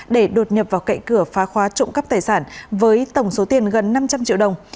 để đột nhập vào cậy cửa phá khóa trộm cắp tài sản với tổng số tiền gần năm trăm linh triệu đồng